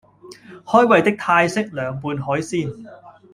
開胃的泰式涼拌海鮮